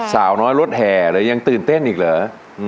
สาวน้อยรถแห่หรือยังตื่นเต้นอีกเหรอ